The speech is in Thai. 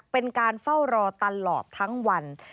เป็นการเฝ้ารอตลอดทั้งวัน